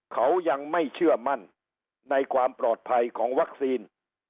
เขายังไม่เชื่อมั่นในความปลอดภัยของวัคซีน